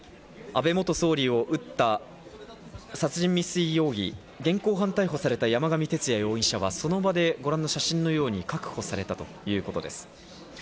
安倍元総理を撃った殺人未遂容疑、現行犯逮捕された山上徹也容疑者は、ご覧の写真のように確保されたということです。